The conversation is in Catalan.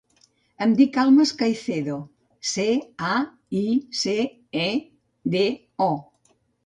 Em dic Almas Caicedo: ce, a, i, ce, e, de, o.